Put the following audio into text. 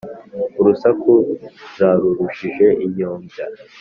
urusaku zarurushije inyombya,